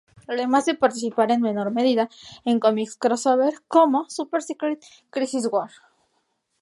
Además de participar en menor medida en cómics crossover como "Super Secret Crisis War!".